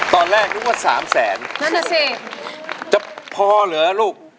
ตอนแรกนึกว่าสามแสนนั่นน่ะสิจะพอเหรอลูก